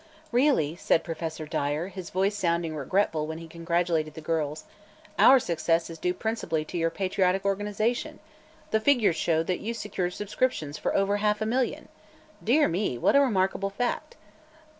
"Really," said Professor Dyer, his voice sounding regretful when he congratulated the girls, "our success is due principally to your patriotic organization. The figures show that you secured subscriptions for over half a million. Dear me, what a remarkable fact!"